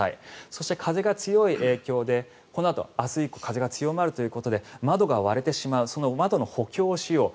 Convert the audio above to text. そして風が強い影響でこのあと明日以降風が強まるということで窓が割れてしまうその窓の補強をしよう